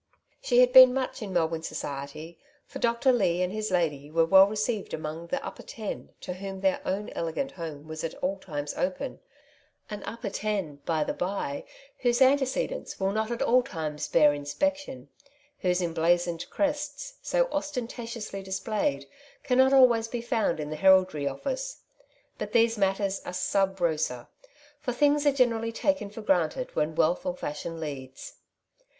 She had been much iu Melbourne society, for Dr. Leigh and his lady were well received among the '^ upper ten,^' to whom their own elegant home was at all times open — an '^ upper ten,'^ by the bye, whose antecedents will not at all times bear inspection, whose emblazoned crests, so ostentatiously displayed, cannot always be found in the heraldry oJBBce. But these matters are svh rosa, for things are generally taken for granted when wealth or fashion leads.